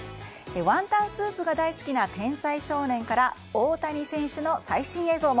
ワンタンスープが大好きな天才少年から大谷選手の最新映像も。